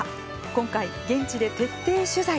今回、現地で徹底取材。